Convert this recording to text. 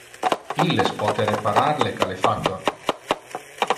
Illes pote reparar le calefactor.